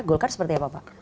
golkar seperti apa pak